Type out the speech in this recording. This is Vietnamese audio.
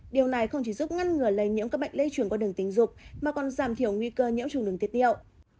điều này không chỉ giúp ngăn ngừa lây nhiễm các bệnh lây chuyển qua đường tình dục mà còn giảm thiểu nguy cơ nhiễm trùng đường tiết điệu